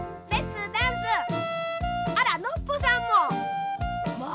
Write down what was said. あらノッポさんも。